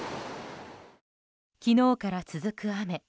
昨日から続く雨。